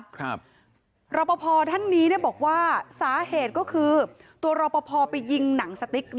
ครับรับประพอท่านนี้บอกว่าสาเหตุก็คือตัวรับประพอไปยิงหนังสติ๊คไล่หมา